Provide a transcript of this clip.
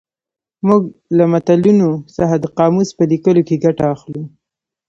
موږ له متلونو څخه د قاموس په لیکلو کې ګټه اخلو